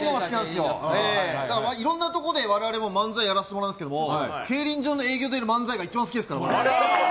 いろんなところで我々も漫才をやらせていただくんですけど競輪場の営業でやる漫才が一番好きですから。